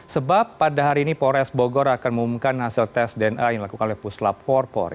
sebab pada hari ini polres bogor akan mengumumkan hasil tes dna yang dilakukan oleh puslap empat polri